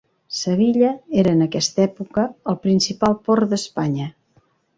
Sevilla era en aquesta època el principal port d'Espanya.